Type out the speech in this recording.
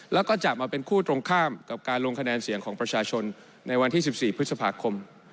แล้วก็จะมาเป็นคู่ตรงข้ามกับการลงคะแนนเสียงของประชาชนในวันที่๑๔พฤษภาคม